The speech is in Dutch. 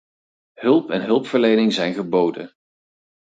Hulp en hulpverlening zijn geboden.